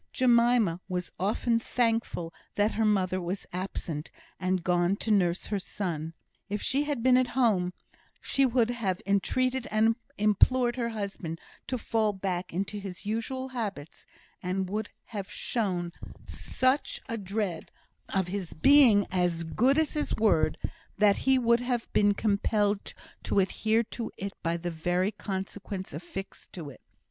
Jemima was often thankful that her mother was absent, and gone to nurse her son. If she had been at home, she would have entreated and implored her husband to fall back into his usual habits, and would have shown such a dread of his being as good as his word, that he would have been compelled to adhere to it by the very consequence affixed to it.